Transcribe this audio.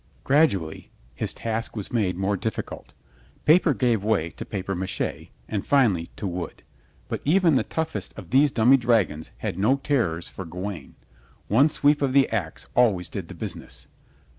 Gradually his task was made more difficult. Paper gave way to papier mâché and finally to wood, but even the toughest of these dummy dragons had no terrors for Gawaine. One sweep of the ax always did the business.